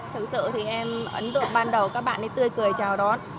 thực sự thì em ấn tượng ban đầu các bạn ấy tươi cười chào đón